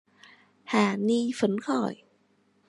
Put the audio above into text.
Hà ni phấn khởi